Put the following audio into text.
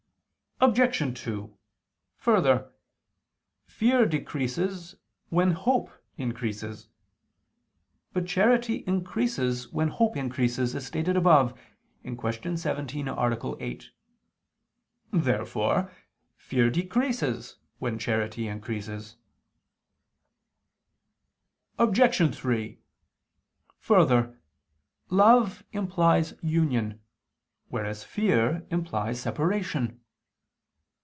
Obj. 2: Further, fear decreases when hope increases. But charity increases when hope increases, as stated above (Q. 17, A. 8). Therefore fear decreases when charity increases. Obj. 3: Further, love implies union, whereas fear implies separation.